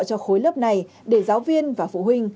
cho khối lớp này để giáo viên và phụ huynh